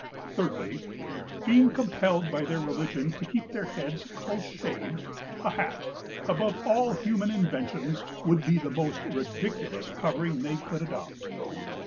Thirdly, being compelled by their religion to keep their heads close shaved, a Hat, above all human inventions, would be the most ridiculous covering they could adopt.